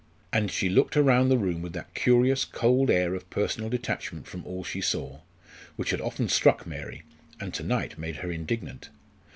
And she looked round the room with that curious, cold air of personal detachment from all she saw, which had often struck Mary, and to night made her indignant.